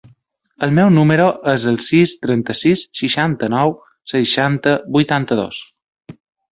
El meu número es el sis, trenta-sis, seixanta-nou, seixanta, vuitanta-dos.